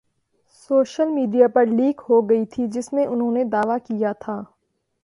social media پر leak ہوگئی تھی جس میں انہوں نے دعویٰ کیا تھا